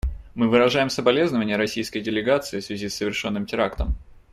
Мы выражаем соболезнования российской делегации в связи с совершенным терактом.